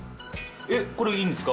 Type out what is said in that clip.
これいいんですか？